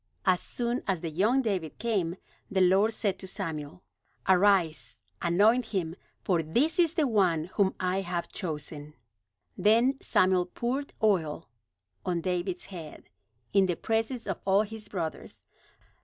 As soon as the young David came, the Lord said to Samuel: "Arise, anoint him, for this is the one whom I have chosen." Then Samuel poured oil on David's head, in the presence of all his brothers.